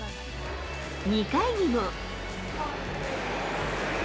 ２回にも。